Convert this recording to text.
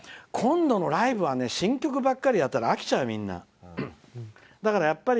今度のライブは新曲ばっかりやったら飽きちゃうよ。